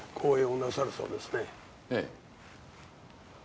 ええ。